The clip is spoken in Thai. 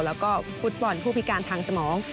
แล้วก็ฟุตบอลผู้พิการทางสมอง